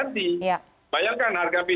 tumpang tindih kan berganti ganti